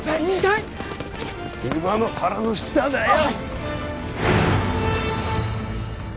馬の腹の下だよ